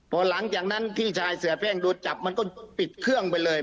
พอหลังจากนั้นพี่ชายเสียแป้งโดนจับมันก็ปิดเครื่องไปเลย